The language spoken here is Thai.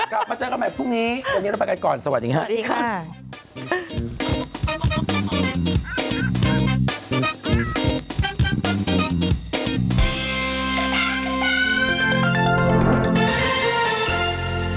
กลับมาเจอกันใหม่พรุ่งนี้วันนี้เราไปกันก่อนสวัสดีค่ะสวัสดีค่ะ